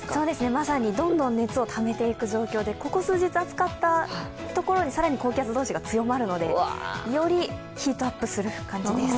まさにどんどん熱をためていく状況で、ここ数日暑かったところに更に高気圧同士が強まるのでよりヒートアップする感じです。